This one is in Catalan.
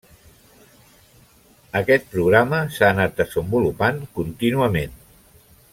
Aquest programa s'ha anat desenvolupant contínuament.